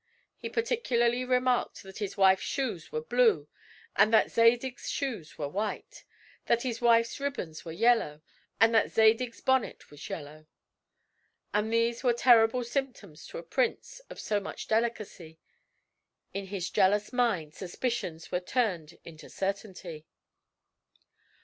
He particularly remarked that his wife's shoes were blue and that Zadig's shoes were blue; that his wife's ribbons were yellow and that Zadig's bonnet was yellow; and these were terrible symptoms to a prince of so much delicacy. In his jealous mind suspicions were turned into certainty.